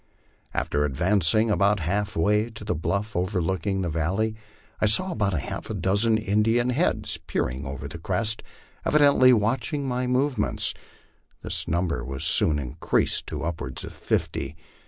After advancing about half way to the blufi' overlooking the valley I saw about half a dozen Indian heads peering over the crest, evidently watching my movements; this number was soon increased to upwards of fifty.